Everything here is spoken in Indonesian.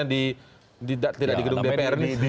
yang tidak di gedung dpr nih